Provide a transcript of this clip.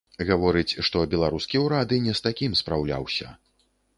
Гаворыць, што беларускі ўрад і не з такім спраўляўся.